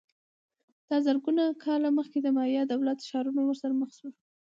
دا زرګونه کاله مخکې د مایا دولت ښارونه ورسره مخ شول